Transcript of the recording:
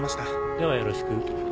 ではよろしく。